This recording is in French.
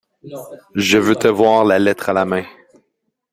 Je veux te voir la lettre à la main.